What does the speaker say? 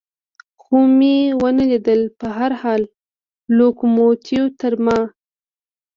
خو مې و نه لیدل، په هر حال لوکوموتیو تر ما.